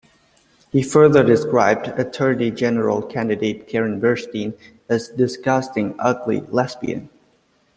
He further described attorney general candidate Karen Burstein as a "disgusting, ugly lesbian".